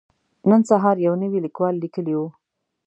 نن سهار يو نوي ليکوال ليکلي وو.